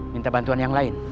minta bantuan yang lain